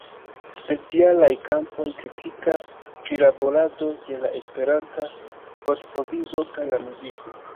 Specialaj kampoj: kritika prilaborado de la Esperanta vortprovizo kaj la muziko.